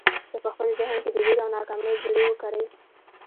که په خپل ذهن کې د وېرې او ناکامۍ زړي وکرئ.